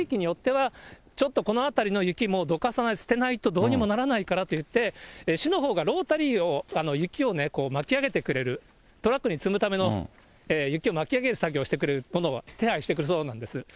地域によっては、ちょっとこの辺りの雪、もうどかさないと捨てないとどうにもならないからといって、市のほうがロータリーを、雪をね、まき上げてくれる、トラックに積むための雪を巻き上げる作業をしてくれるものを、手配してくれるそうなんです。